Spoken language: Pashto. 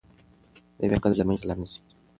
دی به بيا کله جرمني ته لاړ نه شي.